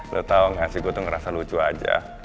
lo tau gak sih gue tuh ngerasa lucu aja